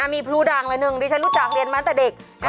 มีพลูด่างละหนึ่งดิฉันรู้จักเรียนมาตั้งแต่เด็ก